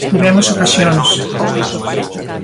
Tivemos ocasións.